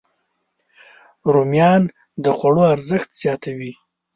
رومیان د خوړو ارزښت زیاتوي